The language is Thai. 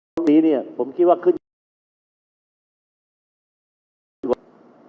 ตอนนี้เนี่ยผมคิดว่าขึ้นยังไม่ได้